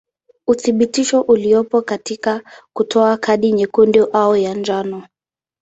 Uthibitisho uliopo katika kutoa kadi nyekundu au ya njano.